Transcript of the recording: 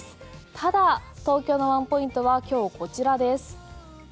ただ、東京のワンポイントは今日、こちらです。